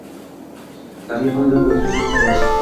Narigi xonada yotibsan, xolos…